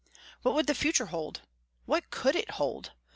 What would the future hold? What could it hold?